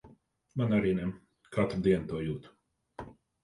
Man arī ne. Katru dienu to jūtu.